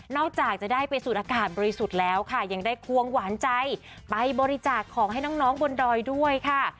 จากจะได้ไปสูดอากาศบริสุทธิ์แล้วค่ะยังได้ควงหวานใจไปบริจาคของให้น้องบนดอยด้วยค่ะ